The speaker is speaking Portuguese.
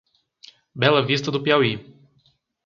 Bela Vista do Piauí